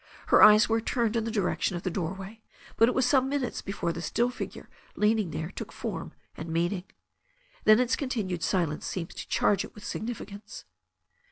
Her eyes were turned in the direction of the doorway, but it was some minutes before the still figure leaning there took form and meaning. Then its continued silence seemed to charge it with significance.